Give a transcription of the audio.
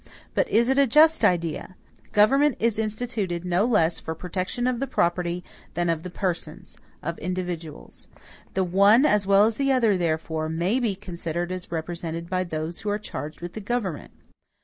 But is it a just idea? Government is instituted no less for protection of the property, than of the persons, of individuals. The one as well as the other, therefore, may be considered as represented by those who are charged with the government.